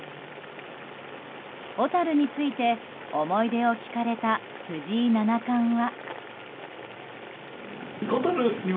小樽について思い出を聞かれた藤井七冠は。